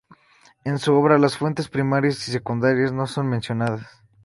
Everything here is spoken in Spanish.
En su obra, las fuentes primarias y secundarias no son mencionadas.